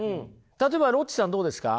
例えばロッチさんどうですか？